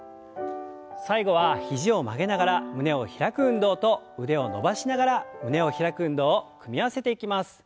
最後は肘を曲げながら胸を開く運動と腕を伸ばしながら胸を開く運動を組み合わせていきます。